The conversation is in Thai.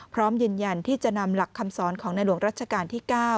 พร้อมยืนยันที่จะนำหลักคำสอนของในหลวงรัชกาลที่๙